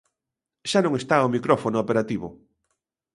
Xa non está o micrófono operativo.